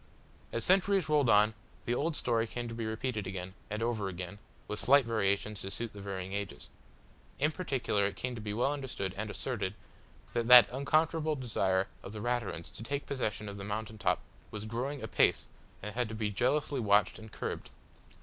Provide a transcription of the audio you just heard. As centuries rolled on, the old story came to be repeated again, and over again, with slight variations to suit the varying ages. In particular it came to be well understood, and asserted, that that unconquerable desire of the Raturans to take possession of the mountain top was growing apace and had to be jealously watched and curbed.